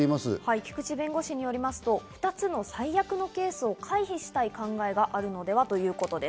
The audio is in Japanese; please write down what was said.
菊地先生によると２つの最悪なケースを回避したい考えがあるのではということです。